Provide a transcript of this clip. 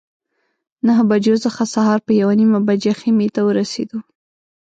نهه بجو څخه سهار په یوه نیمه بجه خیمې ته ورسېدو.